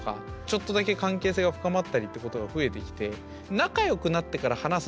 ちょっとだけ関係性が深まったりってことが増えてきて。